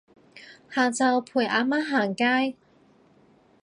下晝陪阿媽行街